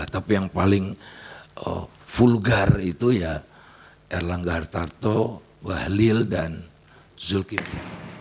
tapi yang paling vulgar itu ya erlangga hartarto bahlil dan zulkifli